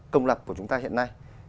công lập của chúng ta hiện nay